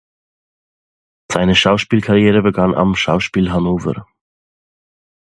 Seine Schauspielkarriere begann am Schauspiel Hannover.